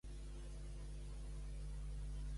El llibre Aroma àrab.